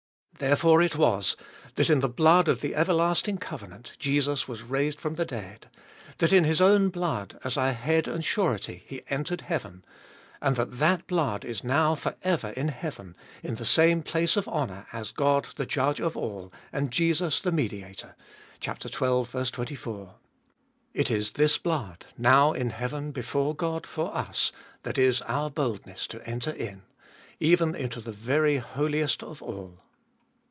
Therefore it was, that in the blood of the everlasting covenant Jesus was raised from the dead ; that in His own blood, as our Head and Surety, He entered heaven ; and that that blood is now for ever in heaven, in the same place of honour as God the Judge of all, and Jesus the Mediator (xii. 24). It is this blood, now in heaven before God for us, that is our boldness to enter in, even into the very Holiest of All.